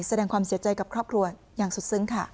แสดงความเสียใจกับครอบครัวอย่างสุดซึ้งค่ะ